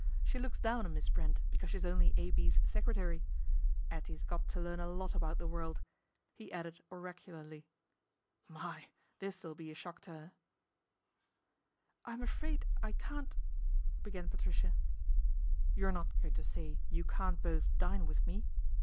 She looks down on Miss Brent because she's only A. B.'s secretary. 'Ettie's got to learn a lot about the world," he added oracu larly. " My, this'il be a shock to 'er." " I'm afraid I can't " began Patricia. 158 PATRICIA BRENT, " You're not going to say you can't both dine with me